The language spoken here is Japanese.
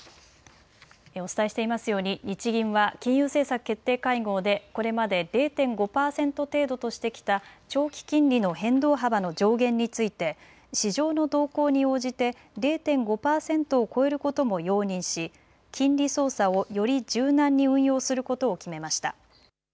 お伝えしていますように日銀は金融政策決定会合でこれまで０．５％程度としてきた長期金利の変動幅の上限について市場の動向に応じて０．５％を超えることも容認し金利操作をより柔軟に運用することを決めました。